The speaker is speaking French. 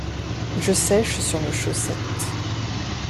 Je sèche sur nos chaussettes.